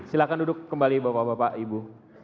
silahkan duduk kembali bapak bapak ibu